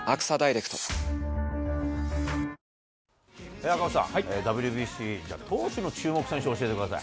東芝赤星さん、ＷＢＣ、投手の注目選手、教えてください。